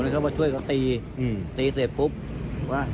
ก็ชุดละมุมตีกันกลับเข้าไปช่วยเขาตี